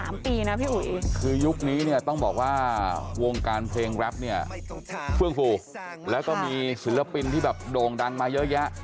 มีเฟืองภูแล้วมีศิลปินที่โด่งดังมาเยอะยะ